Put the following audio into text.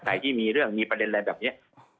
ใครที่มีประเด็นอะไรแบบนี้